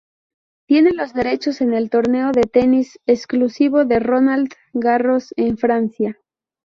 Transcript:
Tiene los derechos en el torneo de tenis exclusivo del Roland Garros en Francia.